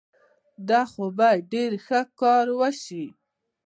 دا خو به ډېر ښه کار وشي.